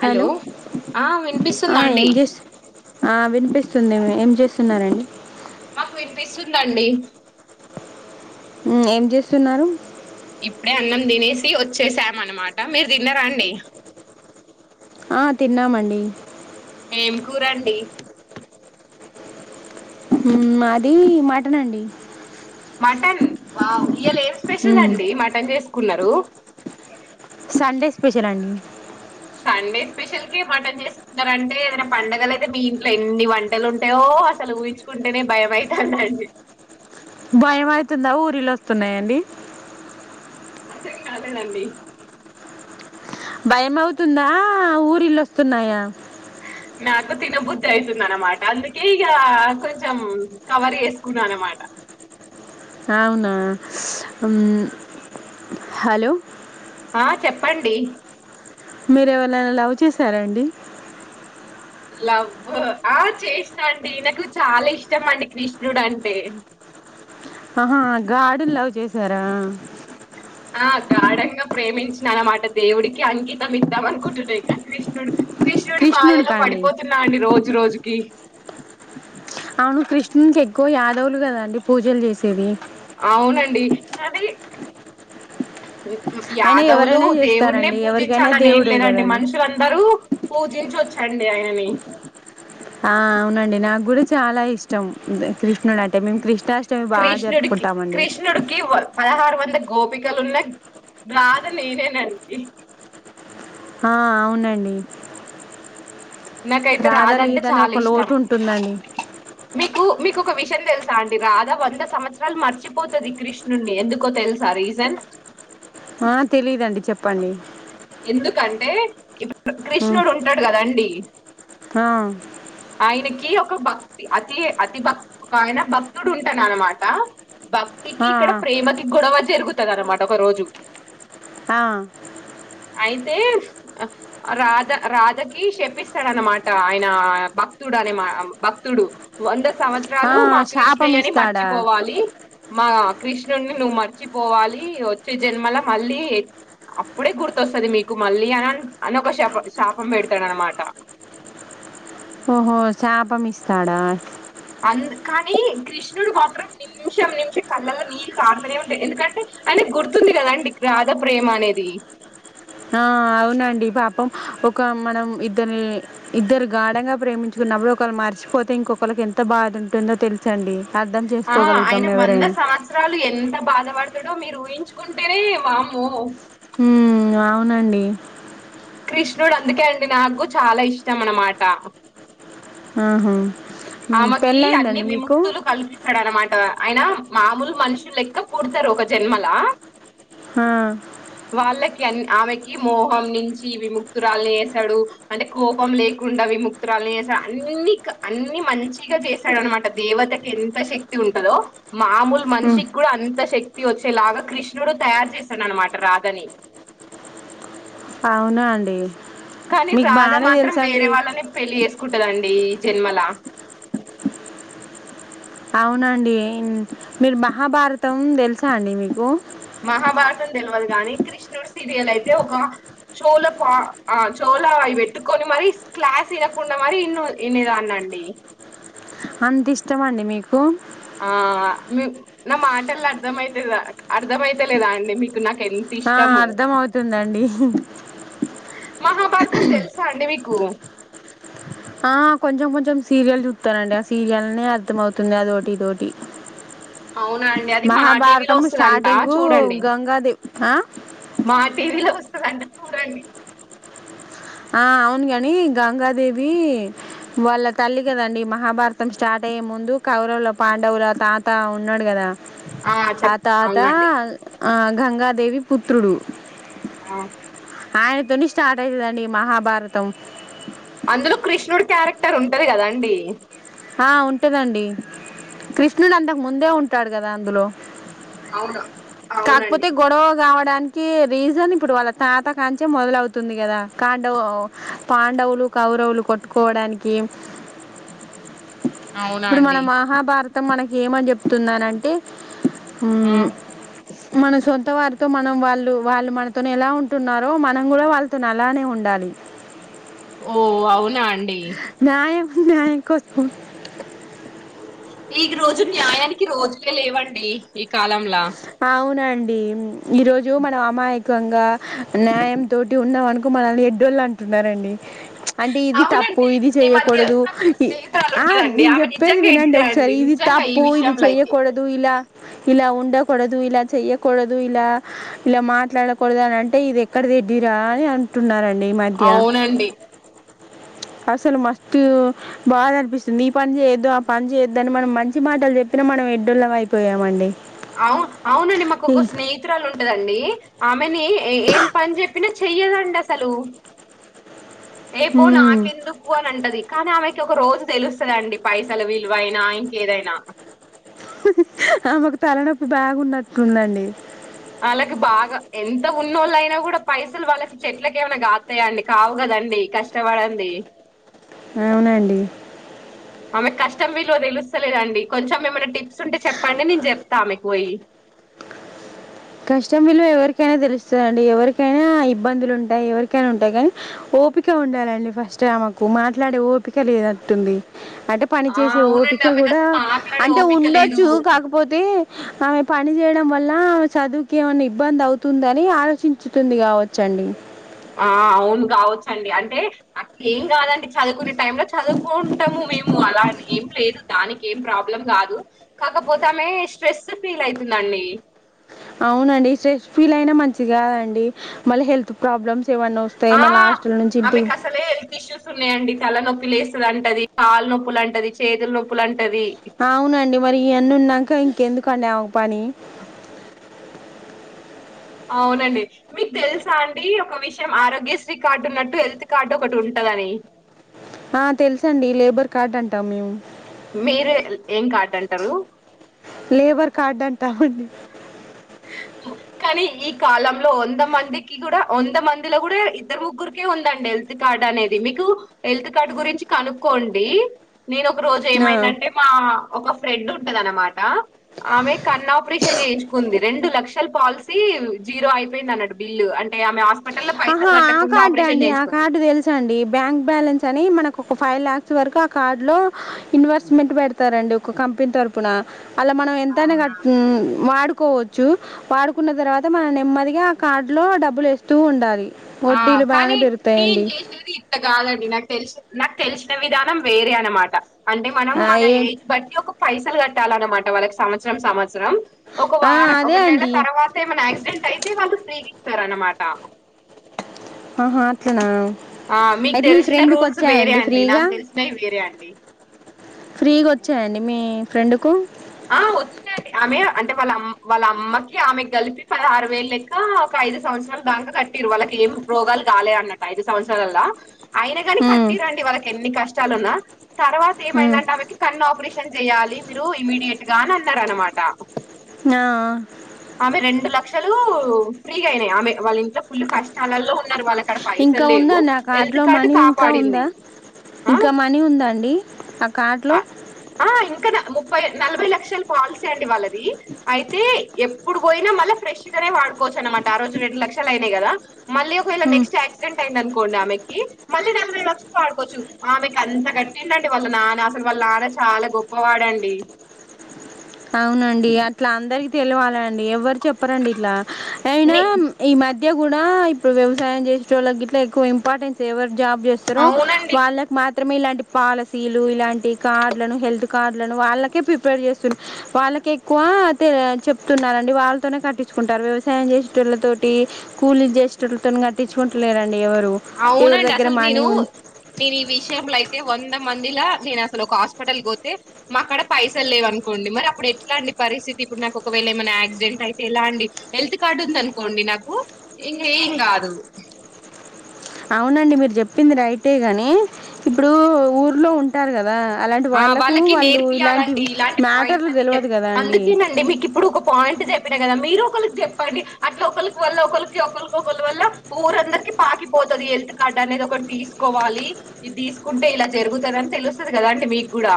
Hello ఆ ఆ వినిపిస్తుందా అండి ఏం చేసు ఆ వినిపిస్తుంది ఏం చేస్తున్నారండి మాకు వినిపిస్తుందండి ఏం చేస్తున్నారు ఇప్పుడే అన్నం తినేసి వచ్చేసాం అనమాట మీరు తిన్నరాండి ఆ తిన్నామండి ఏం కూరండి అది మాటనండి మటన్ వావ్ ఇయ్యాల ఏం స్పెషల్ ఉమ్ అండి మటన్ చేసుకున్నారు సండే స్పెషల్ అండి సండే స్పెషల్ కి మటన్ చేస్తున్నారంటే ఏదైనా పండగలు అయితే మీ ఇంట్లో ఎన్ని వంటలు ఉంటాయో అసలు ఊహించుకుంటేనే భయంమవుతుందండి భయం అయితుందా ఊరిళ వస్తున్నాయండి అదే కాదనండి భయం అవుతుందా ఊరిల్లుస్తున్నాయా నాకు తినబుద్ధి అవుతుంది అనమాట అందుకే ఇక కొంచెం కవర్ చేసుకున్నా అనమాట అవునా హలో ఆ చెప్పండి మీర ఎవరైనా లవ్ చేశారండి లవ్ ఆ చేసాండి నాకు చాలా ఇష్టం అండి కృష్ణుడు అంటే ఆహా గాడ్ నీ లవ్ చేసారా ఆ గాఢంగా ప్రేమించిన అనమాట దేవుడికి అంకితం ఇద్దాం అనుకుంటున్నాయి ఇంక కృష్ణుడు కృష్ణుడి కృష్ణుని మాయలో కాండి పడిపోతున్నా అండి రోజు రోజుకి అవును కృష్ణుకి ఎక్కువ యాదవులు కదండి పూజలు చేసేది అవునండి కానీ అయినా యాదవులు ఎవరైనా దేవుడినే చేస్తారండి ఎవరికైనా పూజించాలని ఏం దేవుడే లేదండి కదండి మనుషులందరూ పూజించ్చండి ఆయనని ఆ అవునండి నాకు కూడా చాలా ఇష్టం కృష్ణుడు అంటే మేము కృష్ణాష్టమి బాగా కృష్ణుడికి జరుపుకుంటామండి గోపికలు ఉన్నా రాధ నేనే నండి ఆ అవునండి నాకైతే రాధ రాదంటే లేదని చాలా ఒక ఇష్టం లోటు ఉంటుందండి మీకు మీకు క ఒక విషయం తెలుసా అండి రాధా వంద సంవత్సరాలు మర్చిపోతుది కృష్ణుడిని ఎందుకో తెలుసా రీజన్ ఆ తెలిదండి చెప్పండి అతే ఇప్పుడు కృష్ణుడు ఉంటాడు కదాండి హా ఆయనకి ఒక భక్తి అతి అతి భక్తి ఒక ఆయన భక్తుడు ఉంటాన అనమాట భక్తికి ఆ ఇక్కడ ప్రేమకి గొడవ జరుగుతుంది అనమాట ఒక రోజు ఆ అయితే రాధ రాధకి షపిస్తాడన్నమాట ఆయన భక్ భక్తుడు మా భక్తుడు వంద ఆ ఆ సంవత్సరాలు మా శాపం కృష్ణయ్యని ఇస్తాడా మర్చిపోవాలి మా కృష్ణుడిని నువ్వు మర్చిపోవాలి వచ్చే జన్మలా మళ్ళీ అప్పుడే గుర్తు వస్తుంది మీకు మళ్ళీ అని అని ఒక శాపం పెడతాడు అనమాట ఓహో శాపం ఇస్తాడా అ కానీ కృష్ణుడు మాత్రం నిమిషం నిమిషం కళ్ళలో నీళ్ళు కారుతూనే ఉంటాంది ఎందుకంటే అనే గుర్తుంది కద అండి రాధ ప్రేమ అనేది ఆ అవునండి పాపం ఒక మనం ఇద్దరు ఇద్దరు గాఢంగా ప్రేమించుకు నవ్వీ ఒకళ్ళ మర్చిపోతే ఇంకొకళ్ళకి ఎంత బాధ ఉంటుందో తెలుసండి అర్థం ఆ చేసుకోగలుగుతాం ఆయన వంద ఎవరైనా సంవత్సరాలు ఎంత బాధపడతాడుో మీరు ఊహించుకుంటేనే వామ్మో హ్మ్ అవునండి కృష్ణుడు అందుకే అండి నాకు చాలా ఇష్టం అన్నమాట ఆహా ఉమ్ ఆమెకి అన్ని పెళ్ళయిందండి మీకు విముక్తులు కల్పిస్తాడాన్నమాట ఆయన మామూలు మనుషులు లెక్క పుడతరు ఒక జన్మలా హా కి అన్ని ఆమెకి మోహం నించి విముక్తురాలిని చేస్తాడు అంటే కోపం లేకుండా విముక్తురా లు చేస అన్నీ కా అన్ని మంచిగా చేస్తాడనమాట దేవతకి ఎంత శక్తి ఉంటదో మామూలు ఉమ్ మనిషికి కూడా అన్ అంత శక్తి వచ్చేలాగా కృష్ణుడు తయారు చేస్త ననమాట రాధని అవునా అండి కానీ మీకు రాధ బానే మాత్రం వేరే తెలుసండి వాళ్ళని పెళ్ళి చేసుకుం టదండి ఈ జన్మలా అవునండి మీరు మహాభారతం తెలుసా అండి మీకు మహాభారతం తెల్వదు గానీ కృష్ణుడు సీరియల్ అయితే ఒక చోల పా ఆ చో వులా అవి పెట్టుకొని మరి క్లాస్ వినకుండా మరి ఇన్న ఇనేదాన్నీ అండి అంత ఇష్టమా అండి మీకు ఆ మీ నా మాటలు అర్థమయితేదా అర్థమయితేలేదా అండి మీ కు నాకు ఎంత ఆ ఇష్టము అర్థం అవుతుందండి మహాభారతం తెలుసా అండి మీకు ఆ కొంచెం కొంచెం సీరియల్ చుత్తనండీ ఆ సీరియల్నే అర్థం అవుతుంది అదోటి ఇదోటి అవునా అండి అది మా టీవీలో మహాభారతం వస్తదంట స్టార్టింగ్ చూడండి గంగాదే ఆ మా టీవీలో వస్తదండీ చూడండి ఆ అవును గని గంగాదేవి వాళ్ళ తల్లి కదండి మహాభారతం స్టార్ట్ అయ్యే ముందు కౌరవుల పాండవుల తాత ఉన్నడు కదా ఆ చెప్ తాత అవునండి ఆ గంగాదేవి పుత్రుడు ఆ ఆయన తోని స్టార్ట్ అయితదండి ఈ మహాభారతం అందులో కృష్ణుడు క్యారెక్టర్ ఉంటది కదా అండి ఆ ఉంటదండి కృష్ణుడు అంతకు ముందే ఉంటాడు కదా అందులో అవును అవునండి కాక్పోతే గొడవ గావ డానికి రీజన్ ఇప్పుడు వాళ్ళ తాత కాంచే మొదలవుతుంది కదా కాండవో పాండవులు కౌరవులు కొట్టుకోవడానికి అవునా ఇప్పుడు మన అండి మహాభారతం మనకి ఏమని చెప్తుందనంటే ఉ ఆ మన సొంత వారితో మనం వాళ్ళు వాళ్ళు మనతోని ఎలా ఉంటున్నారో మనం కూడా వాళ్ళతోని అలానే ఉండాలి ఓ అవునా అండి న్యాయం న్యాయం కోసం ఈ క్ రోజు న్యాయానికి రోజులే లేవండి ఈ కాలంలా అవునండి ఈ రోజు మనం అమాయకంగా న్యాయం తోటి ఉన్నం అనుకు మనల్ని ఎడ్డోళ్ళు అంటున్నారండి అంటే ఇది తప్పు అవునండి ఇది ఈ మధ్య చెయ్యకూడదు నాకు ఒక స్నేహితురాలు ఆ ఉంటదండి నేను ఆమె చెప్పేది నిజంగా వినండి ఎడిదే ఒకసారి అండి ఇది త నిజంగా ఈ అప్పు ఇది విషయంలో అయితే చెయ్యకోడదు ఇలా ఇలా ఉండ కోడదు ఇలా చెయ్యకోడదు ఇలా ఇలా మాట్లాడకోడదు అని అంటే ఇది ఎక్కడది ఎడ్డీ రా అని అంటున్నారన్ డి ఈ మధ్య అవునండి అసలు మస్తు బాధ అనిపిస్తుంది ఈ పని చేయొద్దు ఆ పని చేయొద్దు అని మనం మంచి మాటలు చెప్పినం మనం ఎడ్డోల్లం అయిపోయామండి అవు అవునండి మాకు ఒక స్నేహితురాలు ఉంటదండి ఆమెని ఏ ఏం పని చెప్పినా చెయ్యదండి అసలు ఏ పో ఉమ్ నాకెందు అని అంటది కానీ ఆమెకి ఒక రోజు తెలుస్తుదండి పైసలు విలువైనా ఇంకేదైనా ఆమెకు తలనొప్పు బాగ్ ఉన్నట్టులుందండి వాళ్ళకి బాగా ఎంత ఉన్నోళ్ళ అయినా కూడా పైసలు వాళ్ళకి చెట్లకేమైనా కాతయండి కావు కదా అండి కష్టపడంది అవునండి ఆమెకు కష్టం వీలువ తెలుస్తలేదండి కొంచెం ఏమైనా టిప్స్ ఉంటే చెప్పండి నేను చెప్తా ఆమెకు పోయి కష్టం విలువ ఎవరికైనా తెలుస్తదండి ఎవరికైనా ఇబ్బందులు ఉంటాయి ఎవరికైనా ఉంటాయి కానీ ఒ ఓపిక ఉండాలండి ఫస్ట్ ఆమెకు మాట్లాడే ఓపిక లేనట్టుంది అంటే పని ఆ చేసే అవునండి ఓపిక ఆమెకు కూడా అసలు మాట్లాడే అంటే ఓపిక లేదు ఉండొచ్చు కాకపోతే ఆమె పని చేయడం వల్ల చదువు కేమన్నా ఇబ్బంది అవుతుందని ఆలోచించుతుంది కావచ్చండి ఆ అవును కావచ్చండి అంటే అట్లెం కాదం చదువుకునే టైమ్ లో చదువుకుంటాము మేము అలా ఏం లేదు దాని కేం ప్రాబ్లం కాదు కాకపోతే ఆమె స్ట్రెస్ ఫీల్ అయితుందండి అవునండి స్ట్రెస్ ఫీల్ అయినా మంచిగాదండి మళ్ళీ హెల్త్ ప్రాబ్లమ్స్ ఏమన్నా వస్తాయి ఆ మళ్ళీ హాస్టల్ నుంచి ఇంటికి ఆమెకు అసలే హెల్త్ ఇష్యూస్ ఉన్నాయండి తల నొపీ ప్పి లేస్తంటది కాళ్ళ నొప్పులు అంటది చేతుల నొప్పులు అంట అవునండి మరి ఇవన్నీ ఉన్నంక్క ఇంకెందుకుండి ఆమెకి పని అవునండి మీకు తెలుసా అండి ఒక విషయం ఆరోగ్యశ్రీ కార్డు ఉన్నట్టు హెల్త్ కార్డు ఒకటి ఉంటా దని ఆ తెలుసండి లేబర్ కార్డ్ అంటాం మేము మీరు ఏం కార్డు అంటారు లేబర్ కార్డ్ అంటామండి కానీ ఈ కాలంలో వంద మందికి కూడా వంద మందిలో కూడా ఇద్దరు ముగ్గురికే ఉందండి హెల్త్ కార్డ్ అనేది మీకు హెల్త్ కార్డ్ గురించి కనుక్కోండి నేను ఒక రోజు ఆ. ఏమైందంటే మా ఒక ఫ్రెండ్ ఉంటది అనమాట ఆమె కన్న ఆపరేషన్ చేయించుకుంది రెండు లక్షల పాలసీ జీరో అయిపోయింది అన్నట్టు బిల్లు అంటే ఆమె హస్ ఆహా ఆ కార్డా అండి ఆ కార్డు తెలుస అండి బ్యాంక్ బ్యాలెన్స్ అని మనకు ఒక ఫైవ్ ల్యాక్స్ వరకు ఆ కార్డు లో ఇన్వెస్ట్మెంట్ పెడతారండి ఒక కంపెనీ తరపున అలా మనం ఎంతనా అవునా కట్ మ్ వాడు కోవచ్చు వాడుకున్న తర్వాత మనం నెమ్మదిగా ఆ కార్డు లో డబ్బులు వేస్తూ ఉండాలి ఆ వడ్డీలు కానీ బాగానే నేను పెరుగుతాయండి చేసినది ఇట్ట కాదండి నాకు తెలిసి నాకు తెలిసిన విధానం వేరే అనమాట అంటే మనం ఆ, మన ఏ ఏజ్ బట్టి ఒక పైసలు కట్టాలన్నమాట వాళ్ళకి సంవత్సరం సంవ త్సరం ఒక వ ఆ, ఒక అదే నెల అండి తర్వాత ఏమైనా యాక్సిడెంట్ అయితే వాళ్ళు ఫ్రీ సారు అనమాట ఆహా అట్లనా ఆ మీకు అయితే మీ దెలిసిన ఫ్రెండ్కి రూల్స్ వేరే వచ్చాయండి అండి నాకు దెలిసినవి వేరే అండి ఫ్రీ గోచ్చాయండి మీ ఫ్రెండ్కు ఆ వచ్చినడి ఆమె అంటే వాళ్ళమ్ వాళ్ళ అమ్మకి ఆమె కలిపి పదహరు వేలు లెక్క ఒక ఐదు సంవత్సరాలు దాంక కట్టిరు వాళ్ళకి ఏం రోగాలు కాలే అన్నట్టు ఐదు సంవత్సరాలలా అయిన గాని ఉమ్, కట్టిరండి వాళ్ళకి ఎన్ని కష్టాలు ఉన్నా తర్వాత ఉమ్. ఏమైందంటే ఆమెకి కన్న ఆపరేషన్ చేయాలి మీరు ఇమీడియట్ గా అని అన్నారు అనమాట ఆ లక్షలు ఫ్రీగా అయినాయి ఆమె వాళ్ళ ఇంట్లో ఫుల్ కష్టాలలో ఉన్నారు వాళ్ళ ఇంకా ఉందా నా అ కార్డు లో మనీ ఇంకా కాపాడింది. ఉందా ఆ! ఇంకా మనీ ఉందా అండి ఆ కార్ట్లో యాభై లక్షలు పాలసీ అండి వాళ్ళది అయితే ఎప్పుడు పోయినా మళ్ళా ఫ్రెష్ గానే వాడుకోవచ్చు అనమాట రోజు రెండు లక్షలు అయినాయి కదా మళీ ఒకవేళ ఉమ్, నెస్ట్ యాక్సిడెట్ అయింది అను కొండి ఆమెకి మళ్ళీ నలభై లక్షలు వాడుకోవచ్చు ఆమెకి అంత గట్టింటండి వాళ్ళ నాన్న అసలు వాళ్ళ నాన్న చాలా గొప్పవాడండి అవునండి అట్లా అందరికి తెలియవాల అండి ఎవ్వరు చెప్పరండి ఇట్లా అయినా ని ఈ మధ్య కూడా ఇప్పుడు వ్యవసాయం చేసేటోళ్ళు గిట్ల ఎక్కువ ఇంపార్టెన్స్ ఎవరు జాబ్ చేస్తారు అవునండి. వాళ్ళకి మా త్రమే ఇలాంటి పాలసీలు ఇలాంటి కార్డులను హెల్త్ కార్డులను వాళ్ళకే ప్రిపేర్ చేస్తు వాళ్ళకి ఎక్కువ తే చెప్తున్నారండి వాళ్ళతోనే కట్టించుకుంటారు వ్యవసాయం చేసేటళ్ళతోటి కూలి చేసేటతోని కట్టించుకుంటలేరండి ఎవరు ఎవరి అవునండి దగ్గర అసలు మనీ నేను ఉం నేను ఈ విషయంలో అయితే వంద మం ది లా నేను అసలు ఒక హాస్పిటల్కి పోతే మాక్కడ పైసలు లేవ అనుకోండి మరి అప్పుడు ఎట్లాండి పరిస్థితి ఇప్పుడు నాకు ఒకవేళ ఏమైనా యాక్సిడెంట్ అయితే ఎలా అండి హెల్త్ కార్డు ఉంది అనుకోండి నాకు ఇంక ఏం కాదు అవునండి మీరు చెప్పింది రైట్ ఏ గాని ఇప్పుడు ఊర్లో ఉంటారు కదా అలాంటి ఆ వాళ్ళకు వాళ్ళకి వాళ్ళు ఇలాంటి నేర్పియాలండి ఇలాంటి పాయింట్స్ మ్యాటర్లు అన్ని చె తెలవదు కదా అండి అందుకేనండి మీకు ఇప్పుడు ఒక పాయి యింట్ చెప్పినా కదా మీరు ఒకళ్ కి చెప్పండి అట్లా ఒకళ్కి వల్ల ఒకల్కి ఒకల్కి ఒకరి వల్ల ఊరందరికి పాకిపోతుది హెల్త్ కార్డ్ అ నేది ఒకటి తీసుకోవాలి ఇది తీసుకుంటే ఇలా జరుగుతాది ఆని తెలుస్తుంది కదా అం డి మీగుడా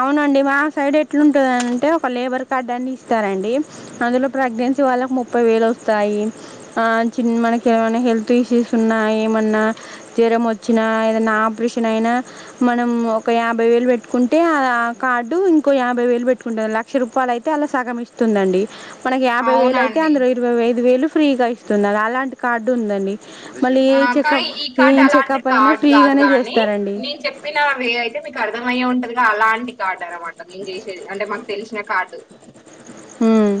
అవునండి మా సైడ్ ఎట్లాంటుందినింటే ఒక లేబర్ కార్డ్ అని ఇస్తారంండి అందులో ప్రెగ్నెన్సీ వా ళ్ళకి ముప్పై వేలు వస్తాయి ఆ చిన్న మనకి ఏమైనా హెల్త్ ఇష్యూస్ ఉన్నా ఏమన్నా జ్వరం వచ్చిన ఏదనా ఆపరేషన్ అయినా మనం ఒక యాభై వేలు పెట్టుకుం టే ఆ ఆ కార్డు ఇంకో యాభై వేలు పెట్టుకుంటుంది లక్ష రూపాయల అయితే అలా సగం ఇస్తుందండి మనకి యాభై వేలు అవునా అయితే అండి. అందరు ఇరవై ఐదు వేలు ఫ్రీగా ఇస్తున్నారు అలాంటి కార్డు ఉందండి మళ్ళీ ఏ ఆ కా చెకప్ ఈ కార్డు ఏం అలాంటి చెకప్ అయినా కార్ట్ కాదు ఫ్రీగానే గానీ చేస్తారండి నేను చెప్పినవి అయితే మీకు అర్ధం అయ్యే ఉంటదిగా అలాంటి కార్డు అనమాట నేను చేసేది అంటే మాకు తెలిసిన కార్డ్ హ్మ్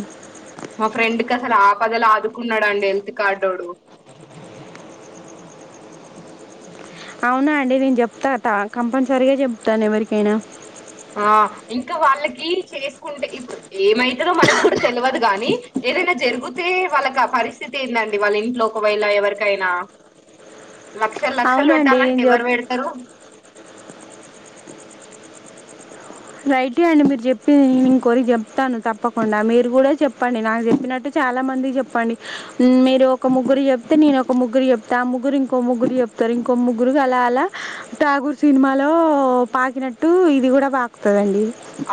మా ఫ్రెండ్ కి అసలు ఆపదలు ఆదుకున్నాడుండి హెల్త్ కార్డోడు అవునా అండి నేను చెప్తా త కంపల్సరీగా చెప్తాను ఎవరికైనా ఆ ఇంకా వాళ్ళకి చేసుకుంటే ఇప్పుడు ఏమైతుందో మనకి కూడా తెలివదు గాని ఏదైనా జరిగితే వాళ్ళకి ఆ పరిస్థితి ఏందండి వాళ్ళ ఇంట్లో ఒకవేళ ఎవరికైనా లక్షలు లక్షలు అవునండి పెట్టాలంటే నేను ఎవరు చెప్ పెడతారు రైట్ అండి మీరు చెప్పి నే ఇంకోరి చెప్తాను తప్పకుండా మీరు కూడా చెప్పండి నాకు చెప్పినట్టు చాలా మంది చెప్పండి మీరు ఒక ముగ్గురు చెప్తే నేను ఒక ముగ్గురు చెప్తే ఆ ముగ్గురు ఇంకో ముగ్గురు చెప్ తారు ఇంకో ముగ్గురు అలా అలా ఠాగూర్ సినిమాలో పాకినట్టు ఇది కూడా పా కుదండిది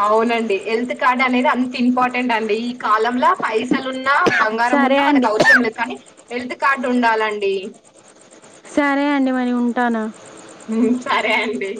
అవునండి హెల్త్ కార్డ్ అనేది అం తా ఇంపార్టెంట్ అండి ఈ కాలంలో పైసలు ఉన్నా బంగారం సరే ఉన్నా మనకు అండి అవసరం లేదు కానీ హెల్త్ కార్డ్ ఉండాలండి సరే అండి మరి ఉంటాను హ్మ్ సరే అండి